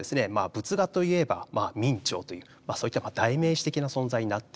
「仏画といえば明兆」というそういった代名詞的な存在になっておりまして。